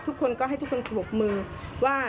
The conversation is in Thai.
ทุกคนก็ให้ทุกคนปรบมือว่า